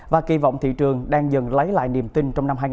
và kỳ vọng thị trường đang dần lấy lại niềm tin trong năm hai nghìn hai mươi